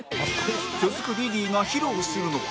続くリリーが披露するのは